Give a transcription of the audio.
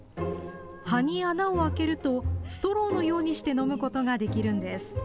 葉に穴を開けるとストローのようにして飲むことができるんです。